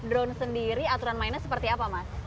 drone sendiri aturan mainnya seperti apa mas